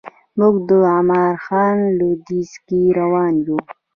موږ د عمان ښار لویدیځ کې روان یو.